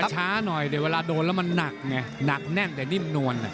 ช้าหน่อยแต่เวลาโดนแล้วมันหนักไงหนักแน่นแต่นิ่มนวล